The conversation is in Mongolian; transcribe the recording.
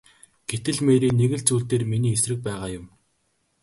Гэтэл Мэри нэг л зүйл дээр миний эсрэг байгаа юм.